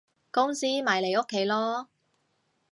公司咪你屋企囉